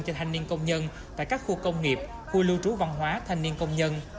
cho thanh niên công nhân tại các khu công nghiệp khu lưu trú văn hóa thanh niên công nhân